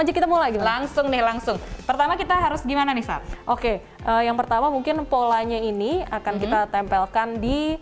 aja ketemu lagi langsung nih langsung pertama kita harus gimana nih sar oke yang pertama mungkin polanya ini akan kita tempelkan di